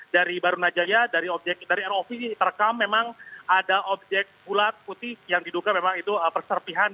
dari barunajaya dari rov terekam memang ada objek bulat putih yang diduga memang itu perserpihan